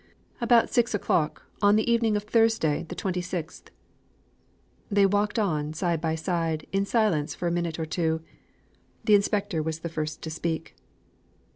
"About six o'clock, on the evening of Thursday, the twenty sixth." They walked on, side by side, in silence for a minute or two. The inspector was the first to speak.